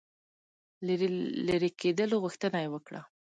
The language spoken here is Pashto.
لیري کېدلو غوښتنه یې وکړه.